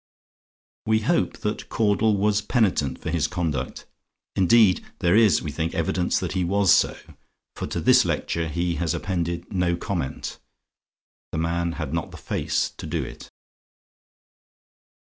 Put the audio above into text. WE HOPE THAT CAUDLE WAS PENITENT FOR HIS CONDUCT; INDEED, THERE IS, WE THINK, EVIDENCE THAT HE WAS SO: FOR TO THIS LECTURE HE HAS APPENDED NO COMMENT. THE MAN HAD NOT THE FACE TO DO IT.